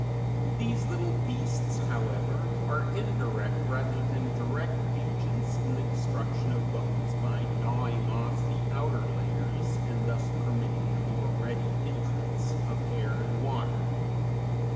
These little beasts, however, are indirect rather than direct agents in the destruction of bones by gnawing off the outer layers, and thus permitting the more ready entrance of air and water.